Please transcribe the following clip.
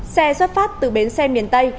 xe xuất phát từ bến xe miền tây